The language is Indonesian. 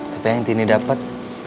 tapi yang tini dapet